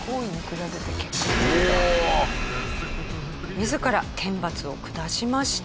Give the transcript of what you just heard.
自ら天罰を下しました。